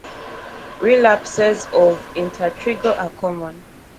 Relapses of intertrigo are common.